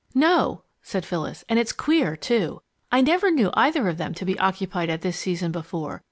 "No," said Phyllis, "and it's queer, too. I never knew either of them to be occupied at this season before.